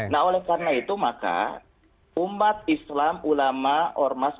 nah oleh karena itu maka umat islam ulama ormas